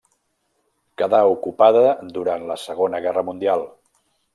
Quedà ocupada durant la Segona Guerra Mundial.